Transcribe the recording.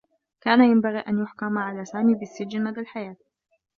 كان ينبغي أن يُحكم على سامي بالسّجن مدى الحياة.